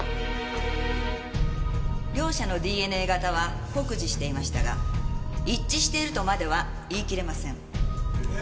両者のＤＮＡ型は酷似していましたが一致しているとまでは言い切れません。